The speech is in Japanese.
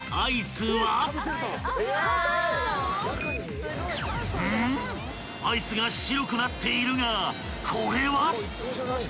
アイスが白くなっているがこれは⁉］